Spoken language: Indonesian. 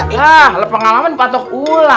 nah pengalaman patok ula